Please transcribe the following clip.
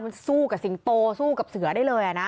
มันสู้กับสิงโตสู้กับเสือได้เลยนะ